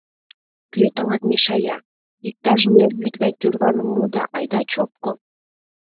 Кӧ тылат мешая, иктаж мӧр вӱд гай тӱрваным му да айда чопко.